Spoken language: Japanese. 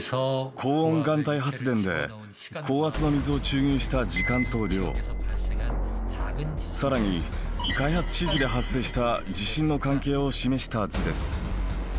高温岩体発電で高圧の水を注入した時間と量さらに開発地域で発生した地震の関係を示した図です。